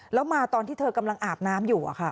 ก็มาตอนที่เธอกำลังอาบน้ำอยู่ค่ะ